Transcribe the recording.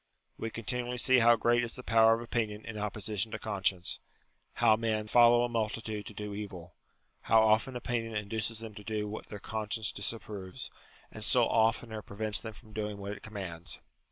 We continually see how great is the power of opinion in opposition to conscience ; how men " follow a multitude to do evil ;" how often opinion induces them to do what their conscience dis approves, and still oftener prevents them from doing what it commands.